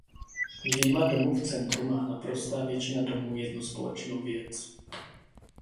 Vyjma domů v centru má naprostá většinu domů jednu společnou věc.